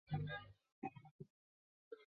语言与巴什基尔人接近。